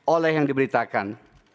oleh yang diberitakan